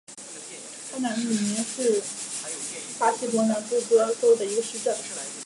帕纳米林是巴西伯南布哥州的一个市镇。